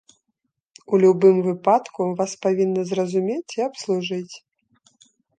У любым выпадку, вас павінны зразумець і абслужыць.